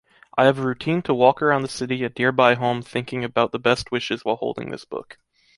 I have a routine to walk around the city and nearby home thinking about the best wishes while holding this book.